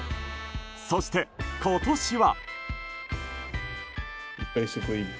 そして今年は。